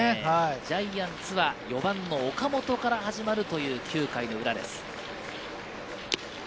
ジャイアンツが４番の岡本から始まるという９回の裏です。